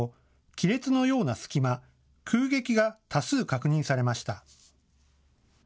亀裂のような隙間、空隙が多数、確認されました。